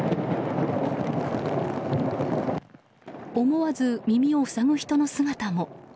思わず耳を塞ぐ人の姿も。